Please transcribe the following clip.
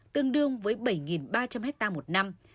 tương đương với bảy ba trăm linh hectare một năm